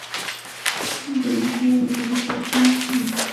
酿酒原材料也面临供应困难。